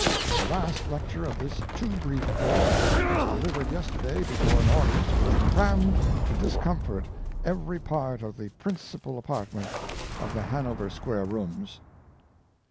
The last lecture of this too brief course was delivered yesterday before an audience which crammed to discomfort every part of the principal apartment of the Hanover Square Rooms....